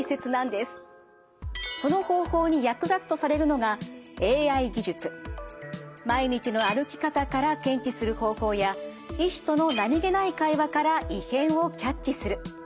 その方法に役立つとされるのが毎日の歩き方から検知する方法や医師との何気ない会話から異変をキャッチする。